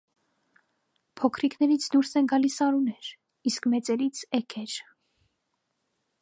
Փոքրիկներից դուրս են գալիս արուներ, իսկ մեծերից՝ էգեր։